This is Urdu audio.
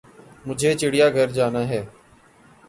مجھے چڑیا گھر جانا ہے